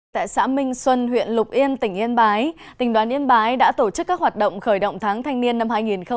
tại xã minh xuân huyện lục yên tỉnh yên bái tỉnh đoàn yên bái đã tổ chức các hoạt động khởi động tháng thanh niên năm hai nghìn hai mươi